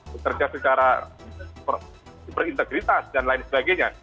bekerja secara berintegritas dan lain sebagainya